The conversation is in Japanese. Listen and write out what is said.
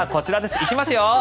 行きますよ！